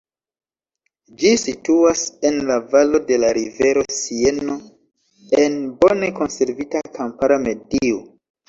Ĝi situas en la valo de la rivero Sieno en bone konservita kampara medio.